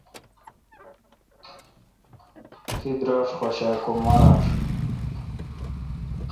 تی دراش خوش آں کہ ماراش؟